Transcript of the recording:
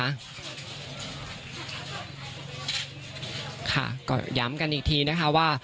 จึงไปถ้าไม่ดูภาพประทับใจนานค่ะก็เนี่ยค่ะก็ย้ำกันอีกทีนะคะว่า